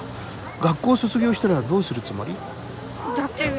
学校卒業したらどうするつもり？